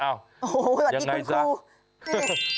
โอ้โหตอนนี้คุณครู